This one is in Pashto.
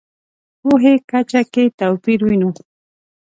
پوهې کچه کې توپیر وینو.